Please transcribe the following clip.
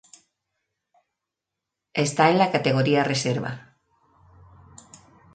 Esta en la categoría reserva.